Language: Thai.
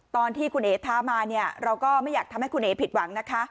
ตอนที่คุณเอ๋ท้ามาเนี่ยเราก็ไม่อยากทำให้คุณเอ๋ผิดหวังนะคะ